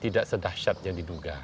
tidak sedahsyat yang diduga